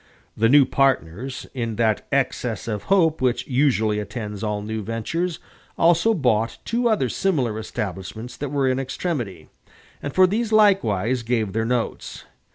The new partners, in that excess of hope which usually attends all new ventures, also bought two other similar establishments that were in extremity, and for these likewise gave their notes.